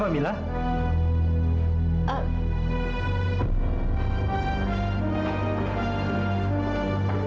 suara suara st beat jaya